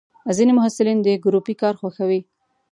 ځینې محصلین د ګروپي کار خوښوي.